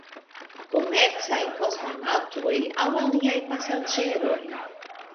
Komercaj kosmonaŭtoj aŭ aliaj "pasaĝeroj".